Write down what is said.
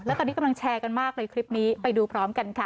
แล้วตอนนี้กำลังแชร์กันมากเลยคลิปนี้ไปดูพร้อมกันค่ะ